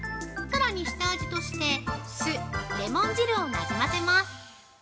さらに下味として酢・レモン汁を馴染ませます。